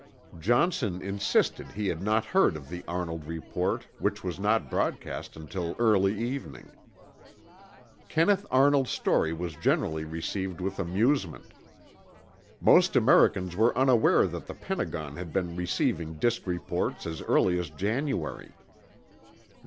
Johnson insisted he had not heard of the Arnold report, which was not broadcast until early evening. Kenneth Arnold's story was generally received with amusement. Most Americans were unaware that the Pentagon had been receiving disk reports as early as January.